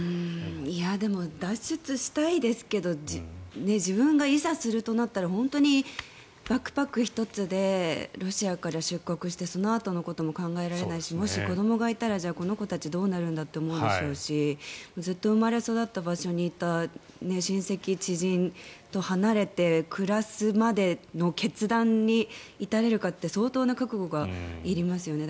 でも脱出したいですけど自分がいざするとなったら本当に、バックパック１つでロシアから出国してそのあとのことも考えられないしもし、子どもがいたらこの子たち、どうなるんだと思うでしょうしずっと生まれ育った場所にいた親戚、知人と離れて暮らすまでの決断に至れるかって相当な覚悟がいりますよね。